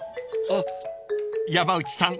［山内さん